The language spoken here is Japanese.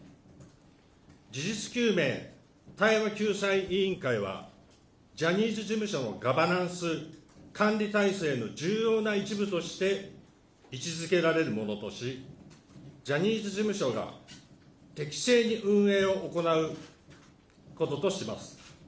事実究明・対話救済委員会はジャニーズ事務所のガバナンス、管理体制の重要な一部として位置づけられるものとし、ジャニーズ事務所が適正に運営を行うこととします。